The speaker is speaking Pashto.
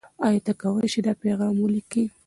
آیا ته کولای شې دا پیغام ولیکې؟